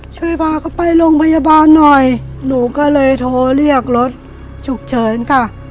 ช่วยพาเขาไปโรงพยาบาลหน่อยหนูก็เลยโทรเรียกรถฉุกเฉินค่ะ